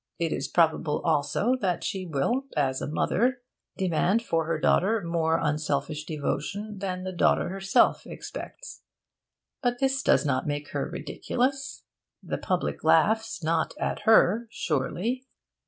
It is probable, also, that she will, as a mother, demand for her daughter more unselfish devotion than the daughter herself expects. But this does not make her ridiculous. The public laughs not at her, surely.